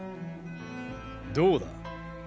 どうだ？